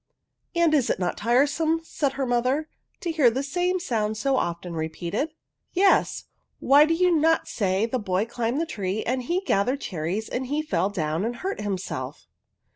" And is it not tiresome," said her mo ther, " to hear the same sound so often re* peated ?"" Yes ; why do you not say the boy climbed up the tree, and he gathered cherries, and he fell down and hurt himself?"